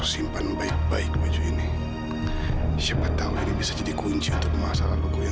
sampai jumpa di video selanjutnya